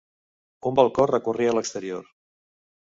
Un balcó recorria l'exterior.